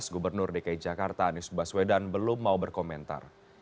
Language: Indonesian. gubernur dki jakarta anies baswedan belum mau berkomentar